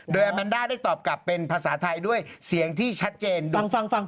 โดยอาแมนด้าได้ตอบกลับเป็นภาษาไทยด้วยเสียงที่ชัดเจนฟังฟัง